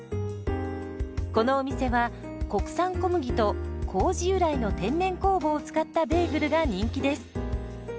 このお店は国産小麦と麹由来の天然酵母を使ったベーグルが人気です。